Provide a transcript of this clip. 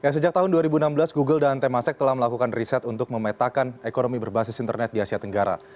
sejak tahun dua ribu enam belas google dan temasek telah melakukan riset untuk memetakan ekonomi berbasis internet di asia tenggara